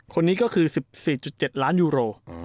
คนนี้ก็คือ๑๔๗ล้านยูโร